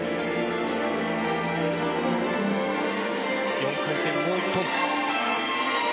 ４回転がもう１本。